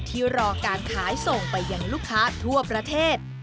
รอการขายส่งไปยังลูกค้าทั่วประเทศ